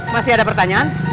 masih ada pertanyaan